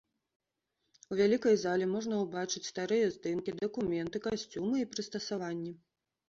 У вялікай зале можна ўбачыць старыя здымкі, дакументы, касцюмы і прыстасаванні.